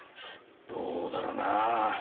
どうだろうな。